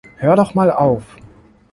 Hör doch mal auf!